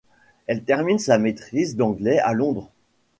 Elle termine sa maitrise d'anglais à Londres.